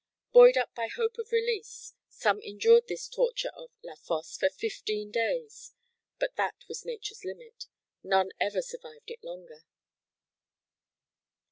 Buoyed up by hope of release, some endured this torture of "La Fosse" for fifteen days; but that was nature's limit. None ever survived it longer.